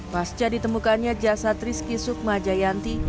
pasca ditemukannya jasad rizki sukma jayanti